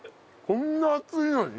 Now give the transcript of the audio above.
こんな厚いのに？